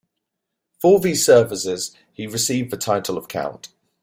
For these services he received the title of Count.